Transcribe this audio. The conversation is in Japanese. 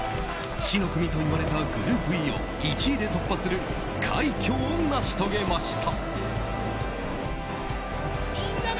死の組といわれたグループＥを１位で突破する快挙を成し遂げました。